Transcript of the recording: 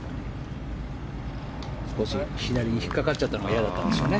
左に引っかかっちゃったの嫌だったんでしょうね。